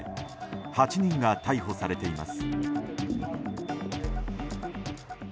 ８人が逮捕されています。